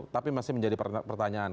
tapi masih menjadi pertanyaan